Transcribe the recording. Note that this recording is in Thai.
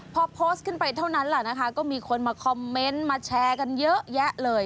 พอโพสต์ขึ้นไปเท่านั้นแหละนะคะก็มีคนมาคอมเมนต์มาแชร์กันเยอะแยะเลย